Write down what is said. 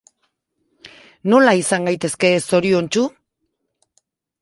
Nola izan gaitezke zoriontsu?